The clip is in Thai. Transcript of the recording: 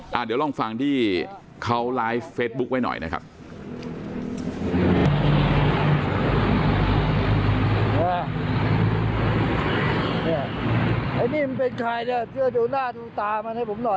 เดี๋ยวลองฟังที่เขาไลฟ์เฟซบุ๊คไว้หน่อยนะครับ